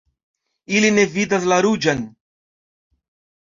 Ili ne vidas la ruĝan.